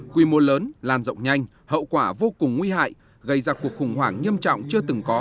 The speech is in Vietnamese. quy mô lớn lan rộng nhanh hậu quả vô cùng nguy hại gây ra cuộc khủng hoảng nghiêm trọng chưa từng có